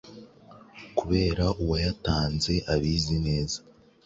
kubera uwayatanze abizi neza